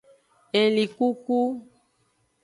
Elinkuku.